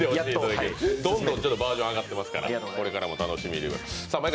どんどんバージョン上がってますからこれからも楽しみです。